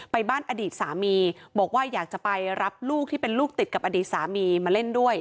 บ้านอดีตสามีบอกว่าอยากจะไปรับลูกที่เป็นลูกติดกับอดีตสามีมาเล่นด้วย